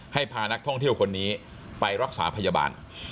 พานักท่องเที่ยวคนนี้ไปรักษาพยาบาล